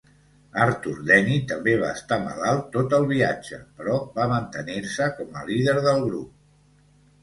Arthur Denny també va estar malalt tot el viatge, però va mantenir-se com a líder del grup.